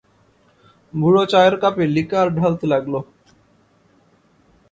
বুড়ো চায়ের কাপে লিকার ঢালতে লাগল।